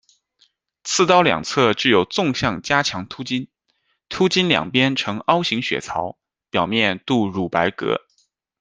刺刀两侧具有纵向加强突筋，突筋两边呈凹形血槽，表面镀乳白铬。